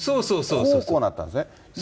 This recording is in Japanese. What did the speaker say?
こう、こうなったんですね。